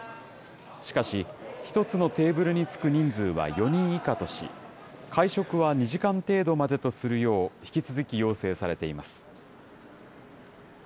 しかし、１つのテーブルにつく人数は４人以下とし、会食は２時間程度までとするよう、引き続き要請されています。